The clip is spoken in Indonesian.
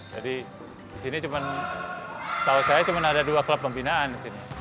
jadi di sini cuma setahu saya cuma ada dua klub pembinaan di sini